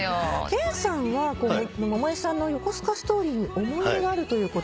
剣さんは百恵さんの『横須賀ストーリー』に思い入れがあるということなんですけど。